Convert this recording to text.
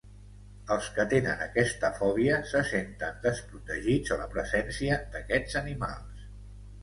Els que tenen aquesta fòbia se senten desprotegits a la presència d'aquests animals.